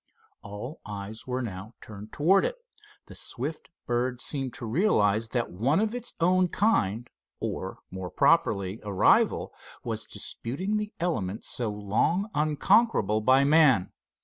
All eyes were now turned toward it. The swift bird seemed to realize that one of its own kind, or, more properly, a rival, was disputing the element so long unconquerable by man.